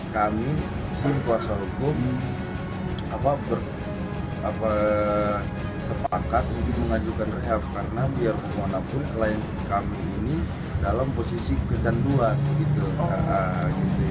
kami tim kuasa hukum sepakat untuk mengajukan rehab karena biar kemanapun klien kami ini dalam posisi kecanduan